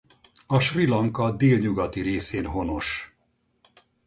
A Srí Lanka délnyugati részén honos.